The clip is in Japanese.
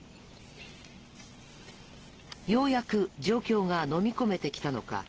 ようやく状況がのみ込めてきたのか